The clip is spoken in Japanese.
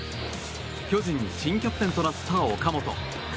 巨人、新キャプテンとなった岡本。